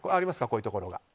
こういうところが。